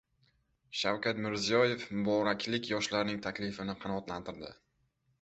Shavkat Mirziyoyev muboraklik yoshlarning taklifini qanoatlantirdi